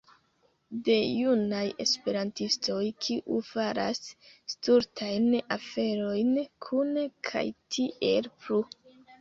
De junaj Esperantistoj kiu faras stultajn aferojn kune kaj tiel plu